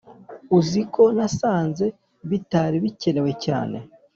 uziko nasanze bitari bikenewe cyane